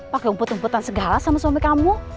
pake umpet umpetan segala sama suami kamu